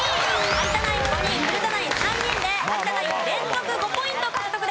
有田ナイン５人古田ナイン３人で有田ナイン連続５ポイント獲得です。